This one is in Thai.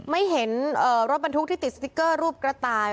ไม่เห็นรถบรรทุกที่ติดสติ๊กเกอร์รูปกระต่าย